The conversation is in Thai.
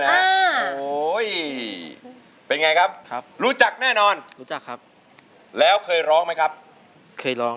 ไม่บอกก็รู้ว่าเป็นเพลงของคุณอาชายเมืองสิงหรือเปล่า